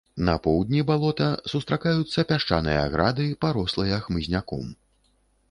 На поўдні балота сустракаюцца пясчаныя грады, парослыя хмызняком.